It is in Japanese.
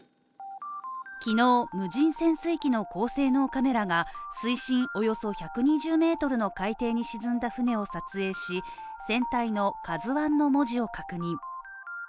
昨日、無人潜水機の高性能カメラが水深およそ１２０ｍの海底に沈んだ船を撮影し船体の「ＫＡＺＵⅠ」の文字を確認。